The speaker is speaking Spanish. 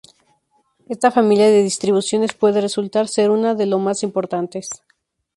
Esta familia de distribuciones puede resultar ser una de lo más importantes.